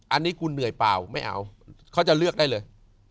อันนี้กูเหนื่อยเปล่าไม่เอาเขาจะเลือกได้เลย